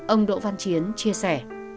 ông đỗ văn chiến chia sẻ